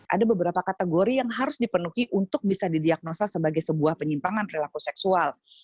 ada beberapa kategori yang harus dipenuhi untuk bisa didiagnosa sebagai sebuah penyimpangan perilaku seksual